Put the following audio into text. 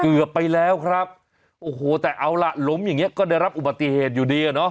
เกือบไปแล้วครับโอ้โหแต่เอาล่ะล้มอย่างเงี้ก็ได้รับอุบัติเหตุอยู่ดีอ่ะเนาะ